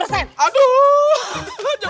jangan bang baik